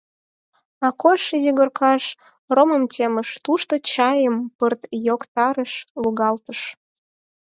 Акош изигоркаш ромым темыш, тушко чайым пырт йоктарыш, лугалтыш.